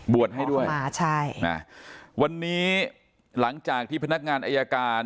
ให้ด้วยอ่าใช่นะวันนี้หลังจากที่พนักงานอายการ